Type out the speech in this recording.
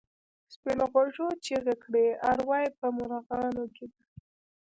سپین غوږو چیغې کړې اروا یې په مرغانو کې ده.